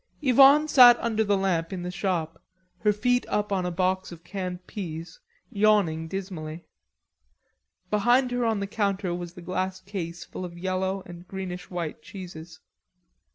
Yvonne sat under the lamp in the shop, her feet up on a box of canned peas, yawning dismally. Behind her on the counter was the glass case full of yellow and greenish white cheeses.